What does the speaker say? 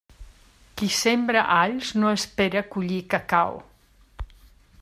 Qui sembra alls, no espere collir cacau.